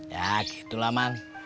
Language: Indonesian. ya gitulah man